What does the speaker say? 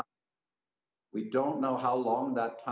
kami melihat perkembangan asia